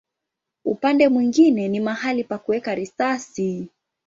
Upande mwingine ni mahali pa kuweka risasi.